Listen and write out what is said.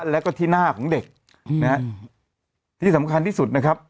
แล้วก็ที่หน้าของเด็กนะฮะที่สำคัญที่สุดนะครับ